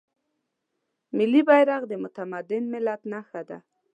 ملي بیرغ د متمدن ملت نښه ده.